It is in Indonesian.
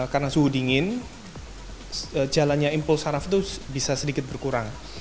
karena suhu dingin jalannya impuls syarab itu bisa sedikit berkurang